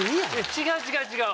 違う違う！